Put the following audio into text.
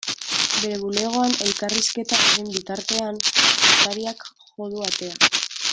Bere bulegoan elkarrizketa egin bitartean, postariak jo du atea.